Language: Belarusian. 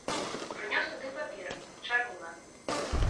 Прынёс туды паперу, чарніла.